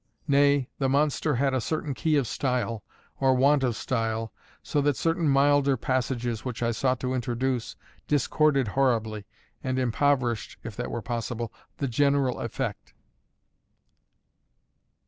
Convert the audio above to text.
Nay, the monster had a certain key of style, or want of style, so that certain milder passages, which I sought to introduce, discorded horribly, and impoverished (if that were possible) the general effect.